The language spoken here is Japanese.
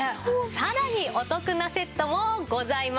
さらにお得なセットもございます。